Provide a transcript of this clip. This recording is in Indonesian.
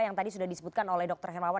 yang tadi sudah disebutkan oleh dr hermawan